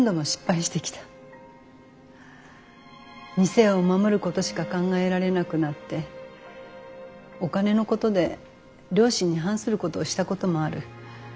店を守ることしか考えられなくなってお金のことで良心に反することをしたこともある。